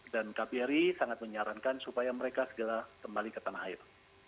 dan kbri sangat menyarankan supaya mereka segera kembali ke tanah air